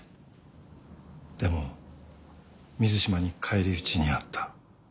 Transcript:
でも水島に返り討ちに遭った。